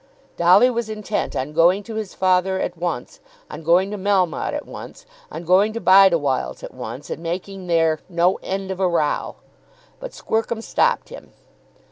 Dolly was intent on going to his father at once, on going to Melmotte at once, on going to Bideawhile's at once, and making there "no end of a row," but Squercum stopped him.